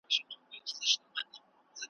له رقیبانو به یې پټه تر نګاره څارې .